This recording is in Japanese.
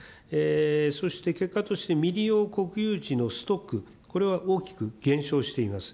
そして結果として未利用国有地のストック、これは大きく減少しています。